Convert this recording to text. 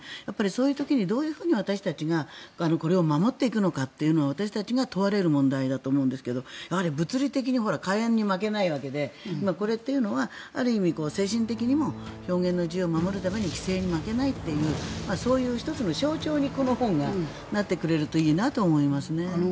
そういう時にどういうふうに私たちがこれを守っていくのかというのは私たちが問われる問題だと思うんですが物理的に火炎に負けないわけである意味、精神的にも表現の自由を守るために規制に負けないという１つの象徴にこの本がなってくれるといいなと思いますね。